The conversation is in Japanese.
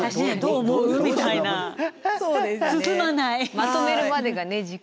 まとめるまでがね時間。